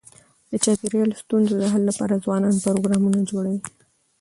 د چاپېریال ستونزو د حل لپاره ځوانان پروګرامونه جوړوي.